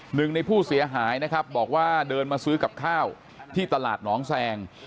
หนึ่งในผู้เสียหายนะครับบอกว่าเดินมาซื้อกับข้าวที่ตลาดหนองแซง